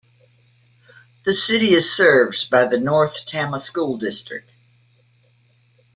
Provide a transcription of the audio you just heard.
The city is served by the North Tama School District.